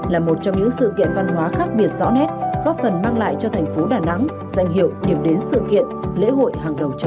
là một trong những sự kiện văn hóa khác biệt rõ nét góp phần mang lại cho thành phố đà nẵng danh hiệu điểm đến sự kiện lễ hội hàng đầu châu